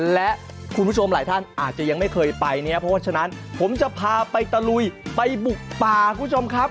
และคุณผู้ชมหลายท่านอาจจะยังไม่เคยไปเนี่ยเพราะฉะนั้นผมจะพาไปตะลุยไปบุกป่าคุณผู้ชมครับ